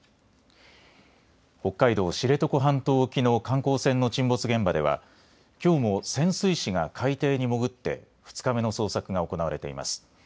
北海道・知床半島沖の観光船の沈没現場ではきょうも潜水士が海底に潜って２日目の捜索が行われています。